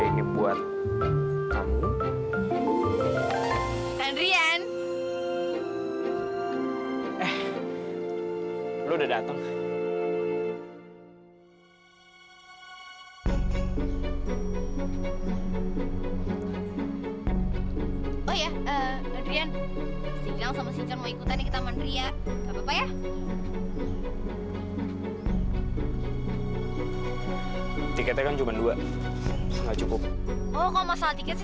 ini pokoknya harus bersih